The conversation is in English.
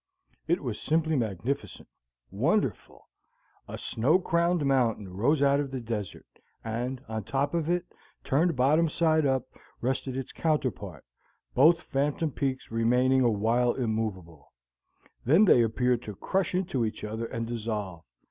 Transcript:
It was simply magnificent, wonderful! A snow crowned mountain rose out of the desert, and on top of it, turned bottom side up, rested its counterpart, both phantom peaks remaining a while immovable; then they appeared to crush into each other and dissolve.